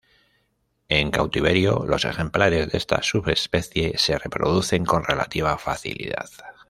En cautiverio, los ejemplares de esta subespecie se reproducen con relativa facilidad.